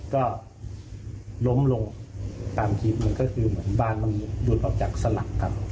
ก็ล้มลงตามคลิปมันก็คือเหมือนบานมันหลุดออกจากสลักครับ